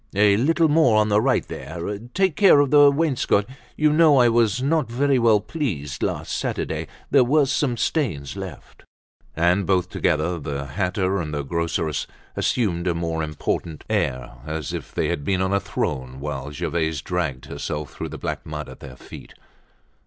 "A little more on the right there. Take care of the wainscot. You know I was not very well pleased last Saturday. There were some stains left." And both together, the hatter and the groceress assumed a more important air, as if they had been on a throne whilst Gervaise dragged herself through the black mud at their feet.